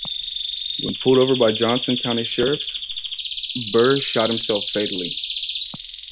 When pulled over by Johnson County sheriff's, Burr shot himself fatally.